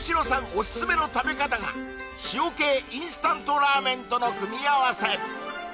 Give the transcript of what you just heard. オススメの食べ方が塩系インスタントラーメンとの組み合わせ